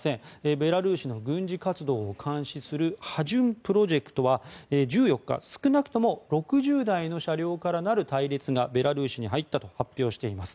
ベラルーシの軍事活動を監視するハジュン・プロジェクトは１４日少なくとも６０台の車両からなる隊列がベラルーシに入ったと発表しています。